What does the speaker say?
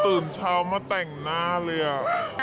ตื่นเช้ามาแต่งหน้าเลย